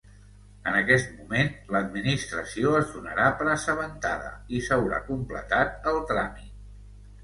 En aquest moment l'Administració es donarà per assabentada i s'haurà completat el tràmit.